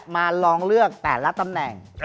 มาลองเลือกแต่ละตำแหน่ง